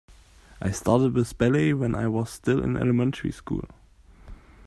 I started with ballet when I was still in elementary school.